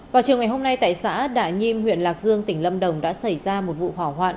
vào chiều ngày hôm nay tại xã đà nhiêm huyện lạc dương tỉnh lâm đồng đã xảy ra một vụ hỏa hoạn